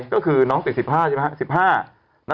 ก็คือน้องติด๑๕